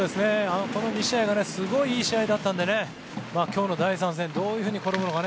この２試合すごいいい試合だったので今日の第３戦どういうふうに転ぶのか。